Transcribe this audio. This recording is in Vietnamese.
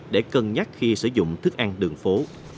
để cân nhắc khi sử dụng thức ăn đường phố